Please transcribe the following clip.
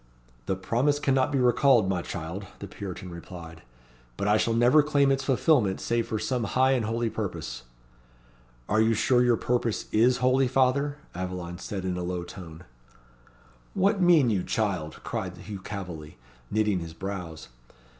"The promise cannot be recalled, my child," the Puritan replied. "But I shall never claim its fulfilment save for some high and holy purpose." "Are you sure your purpose is holy, father?" Aveline said in a low tone. "What mean you, child?" cried Hugh Calveley, knitting his brows.